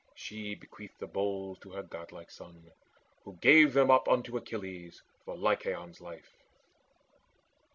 She bequeathed The bowls to her godlike son, who gave them up Unto Achilles for Lycaon's life.